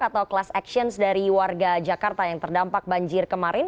atau class actions dari warga jakarta yang terdampak banjir kemarin